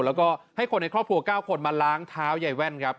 แล้วก็ให้คนในครอบครัว๙คนมาล้างเท้ายายแว่นครับ